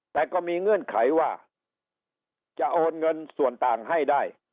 แต่ก็มีเงื่อนไขว่าจะโอนเงินส่วนต่างให้ได้